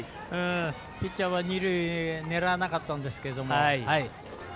ピッチャーは二塁、狙わなかったんですけど。